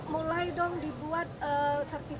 bu mulai dong dibuat sertifikat organik